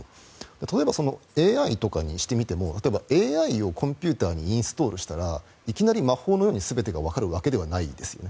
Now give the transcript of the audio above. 例えば、ＡＩとかにしてみてもＡＩをコンピューターにインストールしたらいきなり魔法のように全てがわかるわけではないですよね。